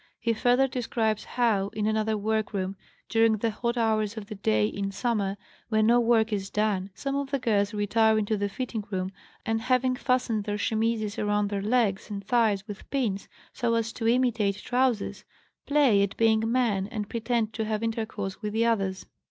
He further describes how, in another work room, during the hot hours of the day in summer, when no work is done, some of the girls retire into the fitting room, and, having fastened their chemises round their legs and thighs with pins, so as to imitate trousers, play at being men and pretend to have intercourse with the others.